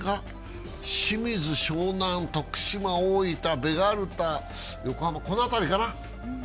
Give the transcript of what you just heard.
清水、湘南、徳島、大分、ベガルタ、横浜、この辺りかな。